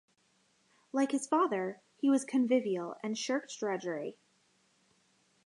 Like his father, he was convivial and shirked drudgery.